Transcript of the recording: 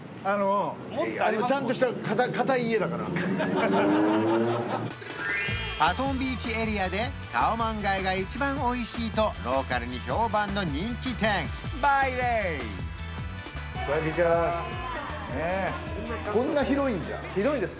ちゃんとしたパトンビーチエリアでカオマンガイが一番おいしいとローカルに評判の人気店バイレイサワディーカップ広いんです